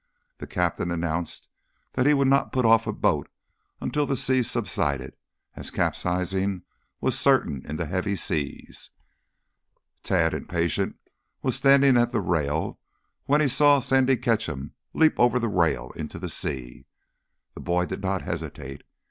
The captain announced that he would not put off a boat until the sea subsided, as capsizing was certain in the heavy seas. Tad, impatient, was standing at the rail when he saw Sandy Ketcham leap over the rail into the sea. The boy did not hesitate.